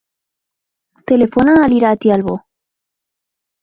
Telefona a l'Irati Albo.